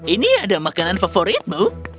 ini adalah makanan kegemaranmu